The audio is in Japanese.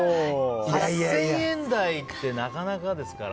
８０００円台ってなかなかですから。